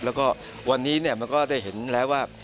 และวันนี้ก็ได้เห็นแล้วว่า